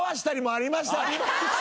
ありました。